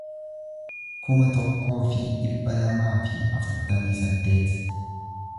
kuma tokkoo fi dhibba lamaa fi afurtamii saddeet